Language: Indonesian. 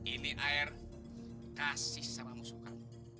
ini air kasih sama musuh kamu